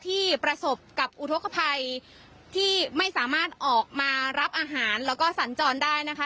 ที่ประสบกับอุทธกภัยที่ไม่สามารถออกมารับอาหารแล้วก็สัญจรได้นะคะ